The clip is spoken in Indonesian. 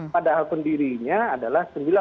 padahal pendirinya adalah sendiri